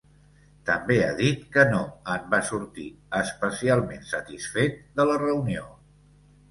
També ha dit que no en va sortir ‘especialment satisfet’, de la reunió.